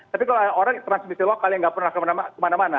tapi kalau orang transmisi lokal yang nggak pernah kemana mana